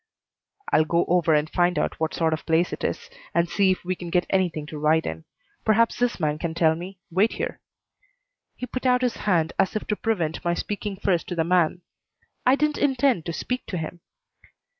"I'll go over and find out what sort of place it is, and see if we can get anything to ride in. Perhaps this man can tell me. Wait here." He put out his hand as if to prevent my speaking first to the man. I didn't intend to speak to him.